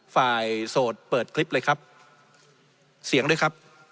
โสดเปิดคลิปเลยครับเสียงด้วยครับ